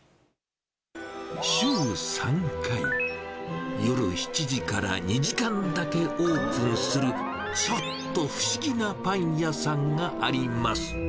週３回、夜７時から２時間だけオープンする、ちょっと不思議なパン屋さんがあります。